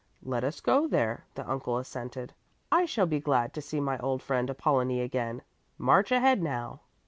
"Let us go there," the uncle assented. "I shall be glad to see my old friend Apollonie again! March ahead now!"